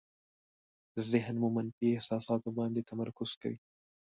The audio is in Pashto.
ذهن مو په منفي احساساتو باندې تمرکز کوي.